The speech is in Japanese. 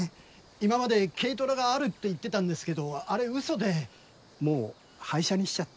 今まで軽トラがあるって言ってたんですけどあれウソでもう廃車にしちゃって。